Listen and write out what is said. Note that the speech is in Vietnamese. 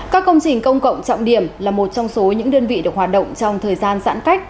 các công trình công cộng trọng điểm là một trong số những đơn vị được hoạt động trong thời gian giãn cách